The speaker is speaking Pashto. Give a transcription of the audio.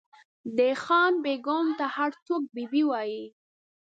د خان بېګم ته هر څوک بي بي وایي.